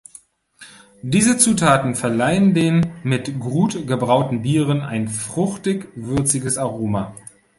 Diese Zutaten verleihen den mit Grut gebrauten Bieren ein fruchtig-würziges Aroma.